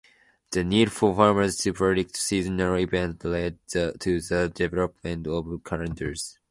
The need for farmers to predict seasonal events led to the development of calendars.